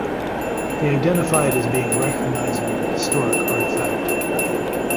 They identify it as being a recognizable historic artifact.